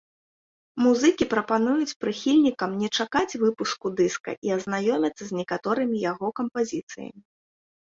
Музыкі прапануюць прыхільнікам не чакаць выпуску дыска і азнаёміцца з некаторымі яго кампазіцыямі.